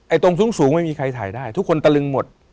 ตรงสูงไม่มีใครถ่ายได้ทุกคนตะลึงหมด